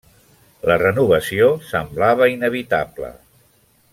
La renovació semblava inevitable.